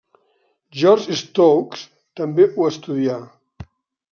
George Stokes també ho estudià.